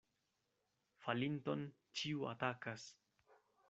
Falinton ĉiu atakas.